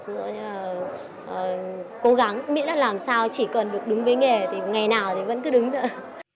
ví dụ như là cố gắng miễn là làm sao chỉ cần được đúng với nghề thì ngày nào thì vẫn cứ đứng nữa